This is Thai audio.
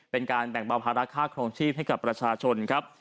เป็นการแบ่งเบาภาระค่าครองชีพให้กับประชาชนครับ